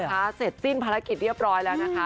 ล่าสุดนะคะเสร็จสิ้นภารกิจเรียบร้อยแล้วนะคะ